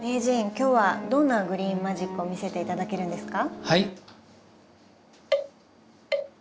今日はどんなグリーンマジックを見せて頂けるんですか？